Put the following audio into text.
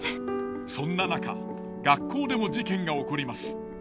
そんな中学校でも事件が起こります。